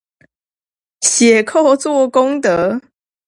寫扣做功德